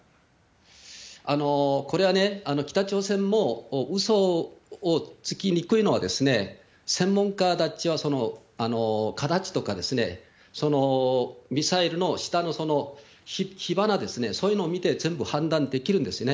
ここれはね、北朝鮮もうそをつきにくいのは、専門家たちは形とかそのミサイルの下の火花ですね、そういうのを見て全部判断できるんですね。